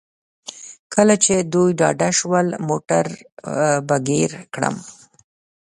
کله چې دوی ډاډه شول موټر به ګیر کړم.